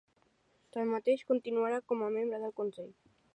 Tanmateix, continuarà com a membre del consell.